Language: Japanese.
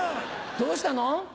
どうしたの？